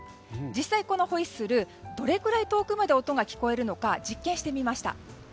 実際に、このホイッスルどれくらい遠くまで聞こえるのか実験してみました。